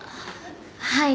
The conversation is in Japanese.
はい。